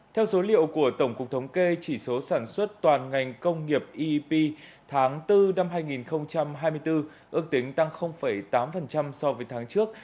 theo số liệu của tổng cục thống kê chỉ số sản xuất toàn ngành công nghiệp eep tháng bốn năm hai nghìn hai mươi bốn ước tính tăng tám so với tháng trước